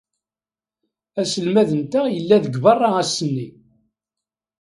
Aselmad-nteɣ yella deg beṛṛa ass-nni.